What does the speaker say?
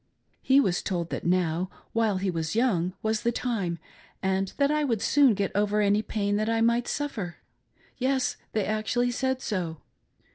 He was told that now while he was young was the time, and that I would soon get over any pain that I might suffer. Yes, they actually said so.